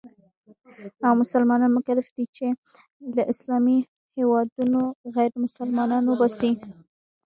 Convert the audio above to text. او مسلمانان مکلف دي چې له اسلامي هېوادونو غیرمسلمانان وباسي.